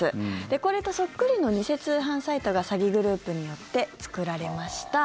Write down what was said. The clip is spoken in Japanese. これとそっくりの偽通販サイトが詐欺グループによって作られました。